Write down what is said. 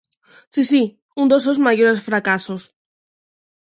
Si, si, un dos seus maiores fracasos.